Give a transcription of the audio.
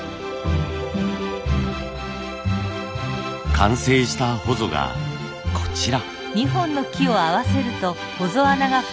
完成したほぞがこちら。